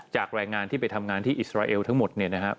จากแรงงานที่ไปทำงานที่อิสราเอลทั้งหมด